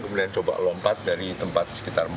kemudian coba lompat dari tempat sekitar